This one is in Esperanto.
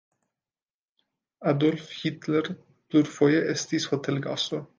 Adolf Hitler plurfoje estis hotelgasto.